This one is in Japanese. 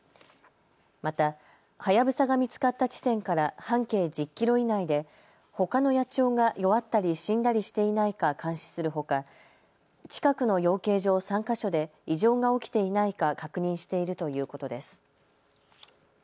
また、ハヤブサが見つかった地点から半径１０キロ以内でほかの野鳥が弱ったり死んだりしていないか監視するほか、近くの養鶏場３か所で異常が起きていないか確認しているということです。